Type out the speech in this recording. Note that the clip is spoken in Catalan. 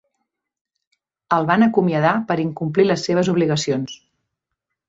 El van acomiadar per incomplir les seves obligacions.